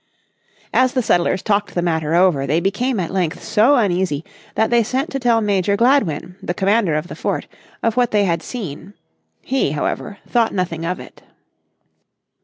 As the settlers talked the matter over they became at length so uneasy that they sent to tell Major Gladwin, the commander of the fort, of what they had seen. He, however, thought nothing of it.